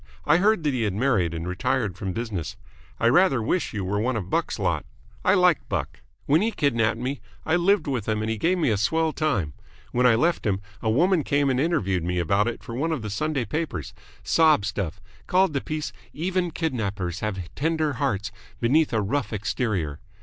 I heard that he had married and retired from business. I rather wish you were one of Buck's lot. I like Buck. When he kidnapped me, I lived with him and he gave me a swell time. When I left him, a woman came and interviewed me about it for one of the Sunday papers. Sob stuff. Called the piece 'Even Kidnappers Have Tender Hearts Beneath A Rough Exterior.'